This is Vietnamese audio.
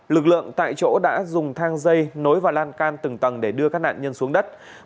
lực lượng tại chỗ đã dùng thang dây nối và lan can từng tầng để đưa các nạn nhân xuống đất